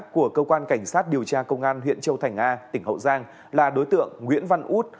của cơ quan cảnh sát điều tra công an huyện châu thành a tỉnh hậu giang là đối tượng nguyễn văn út